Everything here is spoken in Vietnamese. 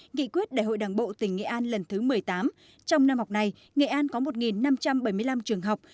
nghị quyết đại hội đảng bộ tỉnh nghệ an lần thứ một mươi tám trong năm học này nghệ an có một năm trăm bảy mươi năm trường học